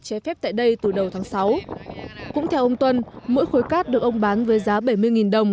trái phép tại đây từ đầu tháng sáu cũng theo ông tuân mỗi khối cát được ông bán với giá bảy mươi đồng